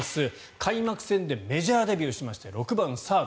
開幕戦でメジャーデビューしまして６番サード。